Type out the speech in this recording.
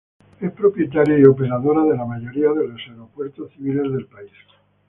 Es propietaria y operadora de la mayoría de los aeropuertos civiles del país.